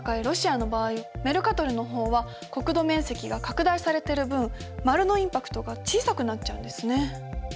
ロシアの場合メルカトルの方は国土面積が拡大されてる分丸のインパクトが小さくなっちゃうんですね。